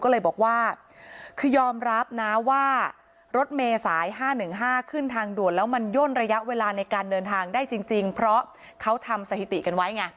ก็เลยบอกว่าคือยอมรับนะว่ารถเมษาย๕๑๕ขึ้นทางด่วนแล้วมันย่นระยะเวลาในการเดินทางได้จริงเพราะเขาทำสถิติกันไว้ไง